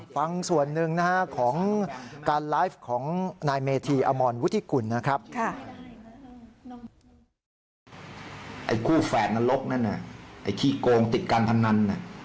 ฟังส่วนหนึ่งนะฮะของการไลฟ์ของนายเมธีอมรวุฒิกุลนะครับ